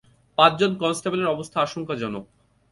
পাঁচ জন কনস্টেবলের অবস্থা আশঙ্কাজনক।